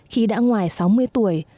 khi đã ngoài sáu mươi tuổi